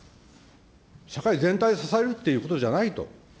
社会全体を支えるということじゃないと。